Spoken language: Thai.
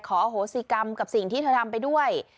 โหสิกรรมกับสิ่งที่เธอทำไปด้วย